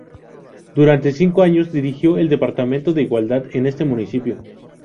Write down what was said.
Durante cinco años dirigió el departamento de Igualdad en este municipio.